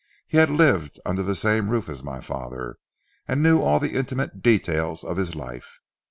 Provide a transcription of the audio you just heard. He had lived under the same roof as my father, and knew all the intimate details of his life.